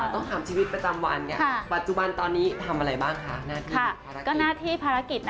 ต้องถามชีวิตประจำวันปัจจุบันตอนนี้ทำอะไรบ้างคะหน้าที่ภารกิจ